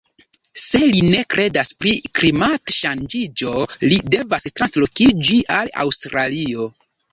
Se li ne kredas pri klimat-ŝanĝiĝo li devas translokiĝi al Aŭstralio